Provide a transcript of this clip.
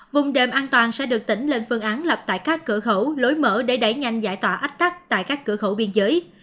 vùng đệm an toàn sẽ được tỉnh lên phương án lập tại các cửa khẩu lối mở để đẩy nhanh giải tỏa ách tắc tại các cửa khẩu biên giới